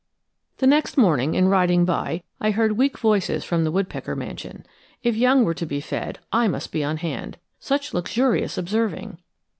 The next morning, in riding by, I heard weak voices from the woodpecker mansion. If young were to be fed, I must be on hand. Such luxurious observing!